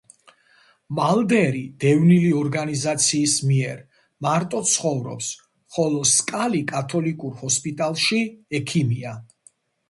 მალდერი, დევნილი ორგანიზაციის მიერ, მარტო ცხოვრობს, ხოლო სკალი კათოლიკურ ჰოსპიტალში ექიმია.